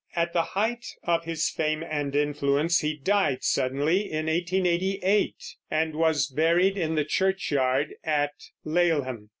At the height of his fame and influence he died suddenly, in 1888, and was buried in the churchyard at Laleham.